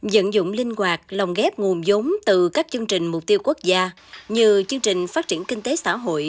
dẫn dụng linh hoạt lòng ghép nguồn giống từ các chương trình mục tiêu quốc gia như chương trình phát triển kinh tế xã hội